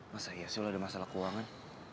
masa iya sih lo ada masalah keuangan